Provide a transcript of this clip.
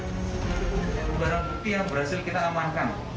ini adalah barang bukti yang berhasil kita amankan